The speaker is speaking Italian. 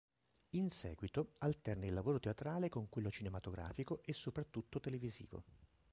In seguito alterna il lavoro teatrale con quello cinematografico e soprattutto televisivo.